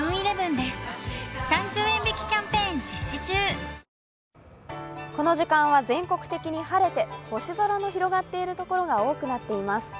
東芝この時間は全国的に晴れて、星空の広がっているところが多くなっています。